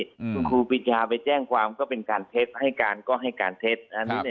คุณครูปีชาไปแจ้งความก็เป็นการเท็จให้การก็ให้การเท็จ